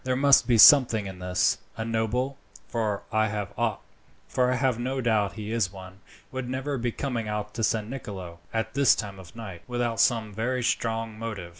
There must be something in this. A noble for I have no doubt he is one would never be coming out to San Nicolo, at this time of night, without some very strong motive.